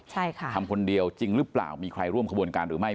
ใช่ค่ะทำคนเดียวจริงหรือเปล่ามีใครร่วมขบวนการหรือไม่